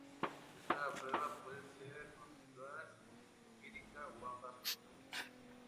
Esa prueba puede ser conceptual, empírica o ambas cosas.